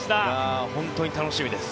本当に楽しみです。